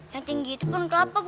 yang tinggi itu pun kelapa bu haji